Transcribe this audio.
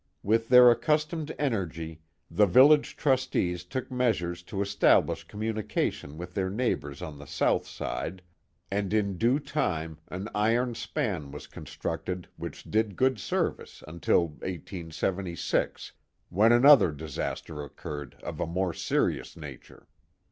With their accustomed energy the village trustees took measures to establish communication with their neighbors on the south side, and in due time an iron span was constructed which did good service until 1876, when another disaster oc curred of a more serious nature.